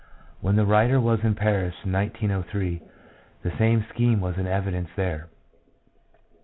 When the writer was in Paris in 1903, the same scheme was in evidence there.